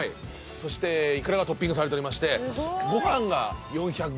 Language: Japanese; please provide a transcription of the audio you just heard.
そしてイクラがトッピングされてましてご飯が４００ｇ。